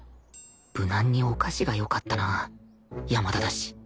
無難にお菓子がよかったな山田だし